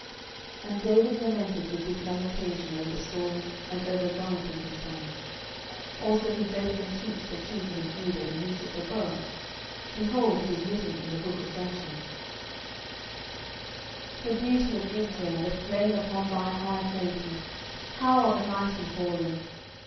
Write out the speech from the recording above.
10:001:017 And David lamented with this lamentation over Saul and over Jonathan his son: 10:001:018 (Also he bade them teach the children of Judah the use of the bow: behold, it is written in the book of Jasher.) 10:001:019 The beauty of Israel is slain upon thy high places: how are the mighty fallen!